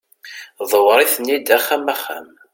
ḍewwer-iten-d axxam axxam